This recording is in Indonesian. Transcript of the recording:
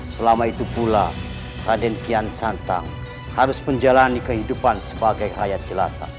selama itu pula raden kian santang harus menjalani kehidupan sebagai hayat jelata